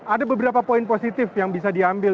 ada beberapa poin positif yang bisa diambil